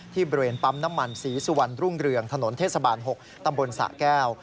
บริเวณปั๊มน้ำมันศรีสุวรรณรุ่งเรืองถนนเทศบาล๖ตำบลสะแก้ว